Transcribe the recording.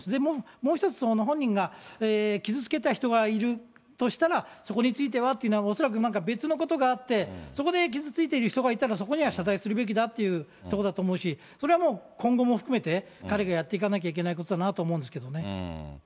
もう一つ本人が傷つけた人がいるとしたら、そこについてはというのは、恐らくなんか別のことがあって、そこで傷ついている人がいたら、そこには謝罪するべきだっていうところだと思うし、それはもう、今後も含めて、彼がやっていかなきゃいけないことだなと思うんですけどね。